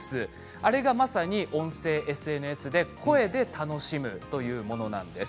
あれがまさに、音声ＳＮＳで声で楽しむというものなんです。